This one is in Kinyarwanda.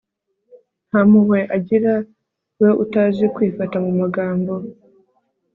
nta mpuhwe agira, we utazi kwifata mu magambo